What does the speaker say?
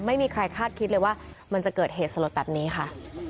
ไม่มีใครคาดคิดเลยว่ามันจะเกิดเหตุสลดแบบนี้ค่ะ